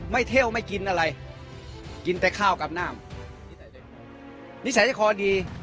เที่ยวไม่กินอะไรกินแต่ข้าวกับน้ำนิสัยจะคอดี